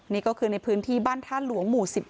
นี่ก็คือในพื้นที่บ้านท่าหลวงหมู่๑๗